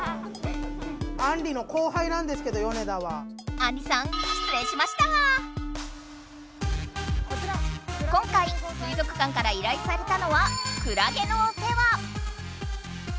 あんりさん今回水族館から依頼されたのはクラゲのお世話！